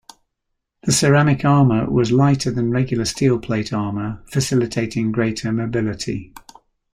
The ceramic armor was lighter than regular steel plate armor facilitating greater mobility.